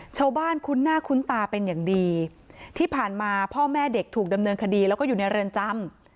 คุ้นหน้าคุ้นตาเป็นอย่างดีที่ผ่านมาพ่อแม่เด็กถูกดำเนินคดีแล้วก็อยู่ในเรือนจำ